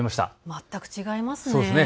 全く違いますね。